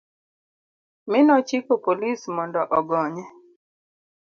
mi nochiko polis mondo ogonye